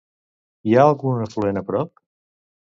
Hi ha algun afluent a prop?